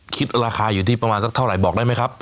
คิดราคาอยู่ที่ประมาณสักเท่าไหร่บอกได้ไหมครับ